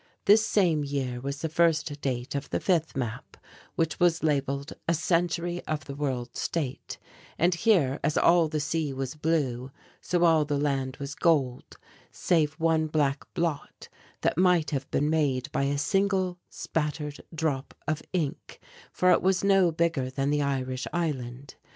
This same year was the first date of the fifth map, which was labelled "A Century of the World State," and here, as all the sea was blue, so all the land was gold, save one black blot that might have been made by a single spattered drop of ink, for it was no bigger than the Irish Island.